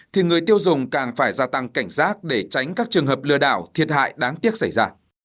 thì người tiêu dùng càng phải gia tăng cảnh giác để tránh các trường hợp lừa đảo thiệt hại đáng tiếc xảy ra